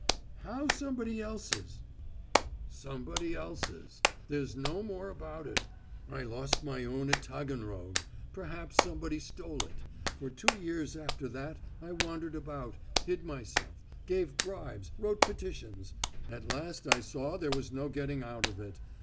"How somebody else's?" "Somebody else's. There's no more about it. I lost my own at Taganrog. Perhaps somebody stole it. For two years after that I wandered about, hid myself, gave bribes, wrote petitions ... at last I saw there was no getting out of it.